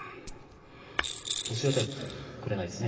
教えてはくれないですよね。